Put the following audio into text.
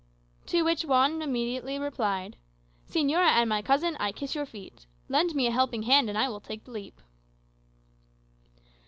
'" To which Juan replied immediately: "Señora and my cousin, I kiss your feet. Lend me a helping hand, and I take the leap."